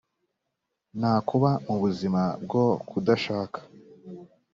nta kubaho mu buzima bwo kudashaka